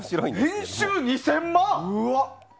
年収２０００万？